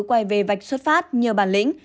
quay về vạch xuất phát nhờ bản lĩnh